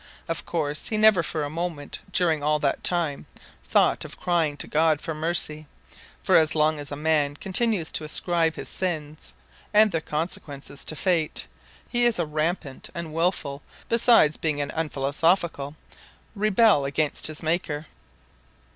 Of course he never for a moment, during all that time, thought of crying to God for mercy, for as long as a man continues to ascribe his sins and their consequences to "fate," he is a rampant and wilful, besides being an unphilosophical, rebel against his Maker.